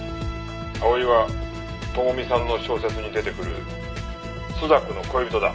「葵は智美さんの小説に出てくる朱雀の恋人だ」